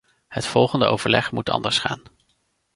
Het volgende overleg moet anders gaan.